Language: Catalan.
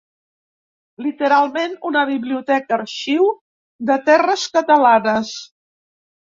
Literalment, una biblioteca-arxiu de terres catalanes.